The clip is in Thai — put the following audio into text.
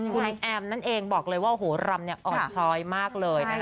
คุณลิ้นแอมนั่นเองบอกเลยว่าโอ้โหรำเนี่ยอ่อนชอยมากเลย